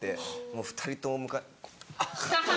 もう２人とも「あぁ！」。